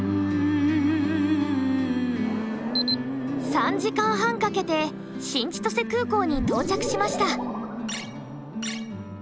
３時間半かけて新千歳空港に到着しました。